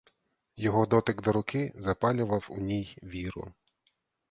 Його дотик до руки запалював у ній віру.